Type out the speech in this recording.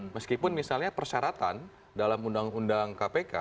meskipun misalnya persyaratan dalam undang undang kpk